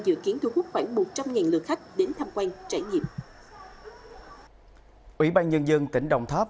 dự kiến thu hút khoảng một trăm linh lượt khách đến tham quan trải nghiệm ủy ban nhân dân tỉnh đồng tháp